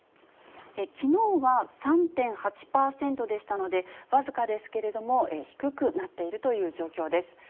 きのうは３．８％でしたので、僅かですけれども、低くなっているという状況です。